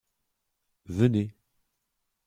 Venez.